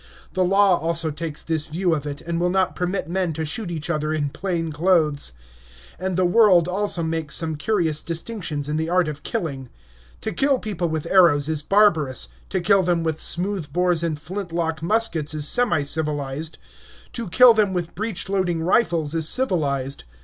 The law also takes this view of it, and will not permit men to shoot each other in plain clothes. And the world also makes some curious distinctions in the art of killing. To kill people with arrows is barbarous; to kill them with smooth bores and flintlock muskets is semi civilized; to kill them with breech loading rifles is civilized.